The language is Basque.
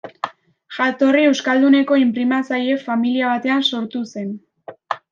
Jatorri euskalduneko inprimatzaile familia batean sortu zen.